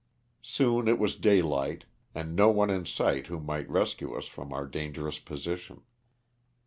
Soon it was day light, and no one in sight who might rescue us from our dangerous position.